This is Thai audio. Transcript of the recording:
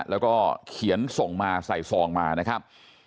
แล้วก็เขียนส่งมาใส่ซองมานะครับ